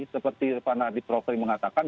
seperti pak nadie prokri mengatakan